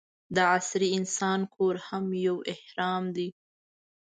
د عصري انسان کور هم یو اهرام دی.